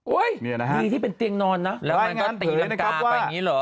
ดีที่เป็นเตียงนอนนะแล้วมันก็ตีรังกาไปอย่างนี้เหรอ